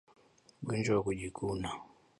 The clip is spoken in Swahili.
Ugonjwa wa kujikuna